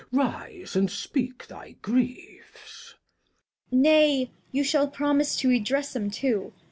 rise, and speak thy Griefs. Cord. Nay, you shaU promise to redress 'em too.